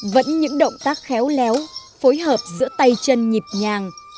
vẫn những động tác khéo léo phối hợp giữa tay chân nhịp nhàng